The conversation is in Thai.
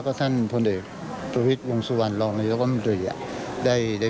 กับอดีตพระพุทธศาสนา